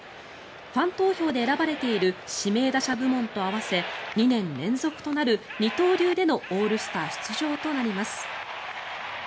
ファン投票で選ばれている指名打者部門と合わせ２年連続となる二刀流でのオールスター出場となります。